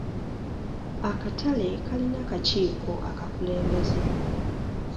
Akatale kalina akakiiko akakulembeze.